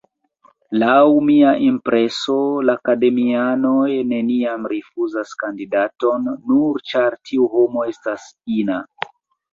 Laŭ mia impreso, la akademianoj neniam rifuzas kandidaton, nur ĉar tiu homo estas ina.